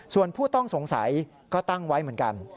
ส่วนผู้ต้องสงสัยก็ตั้งไว้เหมือนกัน